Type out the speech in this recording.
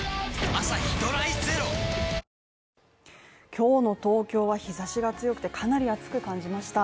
今日の東京は日ざしが強くてかなり暑く感じました。